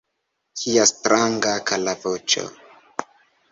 Kia stranga, kara voĉo!